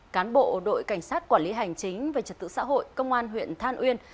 cán bộ đội cảnh sát quản lý hành chính về trật tự xã hội công an huyện than uyên